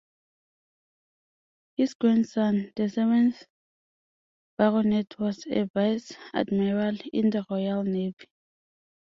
His grandson, the seventh Baronet, was a Vice Admiral in the Royal Navy.